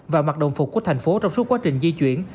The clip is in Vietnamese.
và mặt đồng phục của thành phố trong suốt quá trình di chuyển